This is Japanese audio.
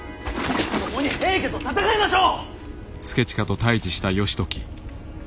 共に平家と戦いましょう！